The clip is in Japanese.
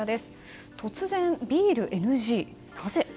突然ビールＮＧ、なぜ？